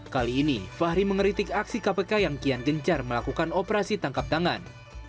kali ini fahri mengeritik aksi kpk yang kian gencar melakukan operasi tangkap tangan